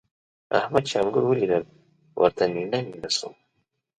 احمد چې انګور وليدل؛ ورته نينه نينه شو.